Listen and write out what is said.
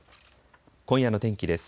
今夜の天気です。